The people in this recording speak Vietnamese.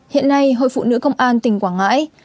hiện nay hội phụ nữ công an tỉnh quảng ngãi